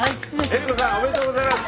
江里子さんおめでとうございます。